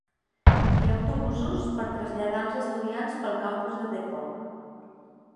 Hi ha autobusos per traslladar els estudiants pel campus de Depok.